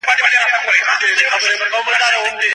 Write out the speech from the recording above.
له زعفرانو څخه د مخ او پوستکي کریمونه جوړېږي.